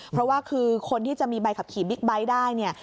เพราะว่าคือคนที่จะมีใบขับขี่บิ๊กไบท์ได้เนี่ย